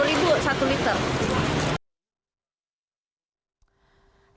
rp tiga puluh satu liter